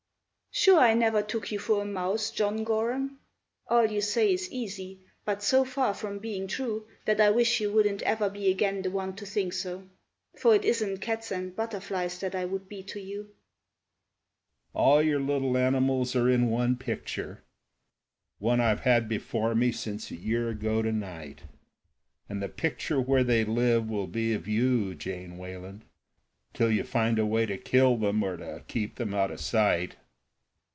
"Sure I never took you for a mouse, John Gorham; All you say is easy, but so far from being true That I wish you wouldn't ever be again the one to think so; For it isn't cats and butterflies that I would be to you." "All your little animals are in one picture One I've had before me since a year ago to night; And the picture where they live will be of you, Jane Wayland, Till you find a way to kill them or to keep them out of sight."